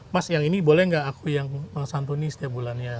mas yang ini boleh nggak aku yang santuni setiap bulannya